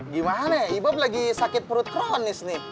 gimana ya ibob lagi sakit perut kronis nih